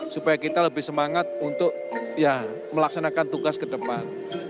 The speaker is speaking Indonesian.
supaya kita lebih semangat untuk melaksanakan tugas ke depan